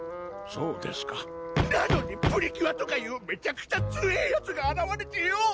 そうですかなのにプリキュアとかいうめちゃくちゃＴＵＥＥＥヤツがあらわれてよう！